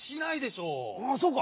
あそうか！